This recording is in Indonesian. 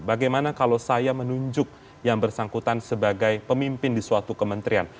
bagaimana kalau saya menunjuk yang bersangkutan sebagai pemimpin di suatu kementerian